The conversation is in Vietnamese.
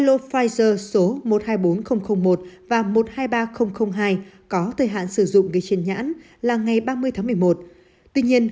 lô pfizer số một trăm hai mươi bốn nghìn một và một trăm hai mươi ba nghìn hai có thời hạn sử dụng ngay trên nhãn là ngày ba mươi tháng một mươi một tuy nhiên